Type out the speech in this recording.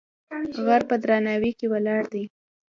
غر په درناوی کې ولاړ دی.